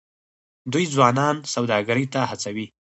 دوی ځوانان سوداګرۍ ته هڅوي.